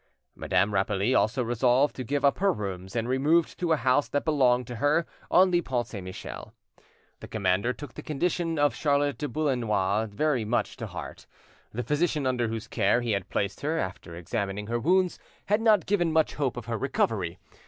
Madame Rapally also resolved to give up her rooms, and removed to a house that belonged to her, on the Pont Saint Michel. The commander took the condition of Charlotte Boullenois very much to heart. The physician under whose care he had placed her, after examining her wounds, had not given much hope of her recovery.